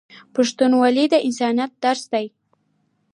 پښتونولي د انسانیت درس دی.